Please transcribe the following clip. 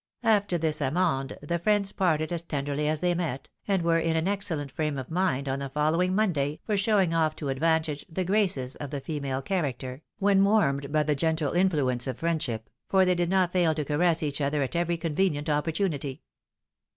After this amende, the friends parted as tenderly as they met, and were in an excellent frame of mind on the following Monday for showing off to advantage the graces of the female character, when warmed by the gentle influence of friendship", for they did not fail to caress each other at every convenient opportunity.